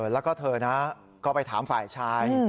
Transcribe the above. แล้วก็เธอนะก็ไปถามฝ่ายชาย